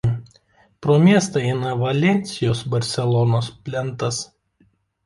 Pro miestą eina Valensijos–Barselonos plentas.